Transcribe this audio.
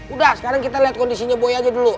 udah sekarang kita lihat kondisinya boy aja dulu